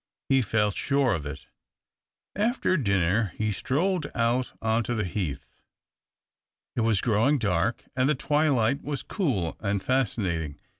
He felt sure of it. After dinner he strolled out on to the heath. It was OTowinar dark, and the twilight was cool and fascinating.